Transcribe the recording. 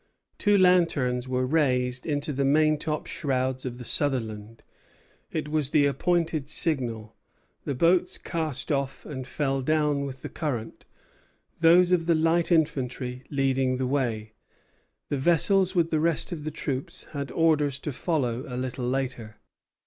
Two lanterns were raised into the maintop shrouds of the "Sutherland." It was the appointed signal; the boats cast off and fell down with the current, those of the light infantry leading the way. The vessels with the rest of the troops had orders to follow a little later.